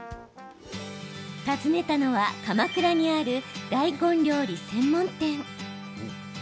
訪ねたのは鎌倉にある大根料理専門店。